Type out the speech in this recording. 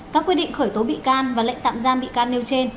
các quyết định khởi tố bị can và lệnh tạm giam bị can nêu trên